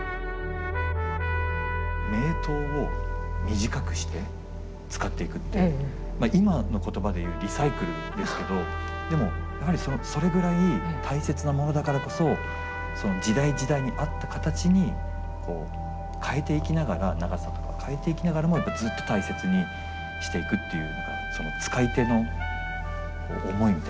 名刀を短くして使っていくっていう今の言葉でいうリサイクルですけどでもやはりそれぐらい大切なものだからこそその時代時代に合った形にこう変えていきながら長さとか変えていきながらもずっと大切にしていくというのがその使い手の思いみたいなものをしっかり感じますよね。